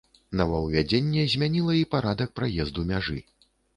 Новаўвядзенне змяніла і парадак праезду мяжы.